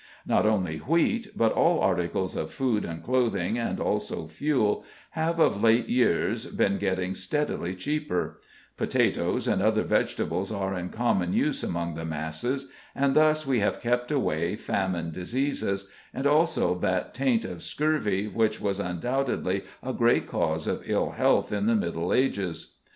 Not only wheat, but all articles of food and clothing, and also fuel, have of late years been getting steadily cheaper; potatoes and other vegetables are in common use among the masses, and thus we have kept away famine diseases, and also that taint of scurvy, which was undoubtedly a great cause of ill health in the middle ages.